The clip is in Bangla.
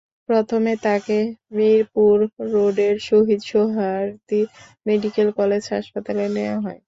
প্রথমে তাঁকে মিরপুর রোডের শহীদ সোহরাওয়ার্দী মেডিকেল কলেজ হাসপাতালে নেওয়া হয়।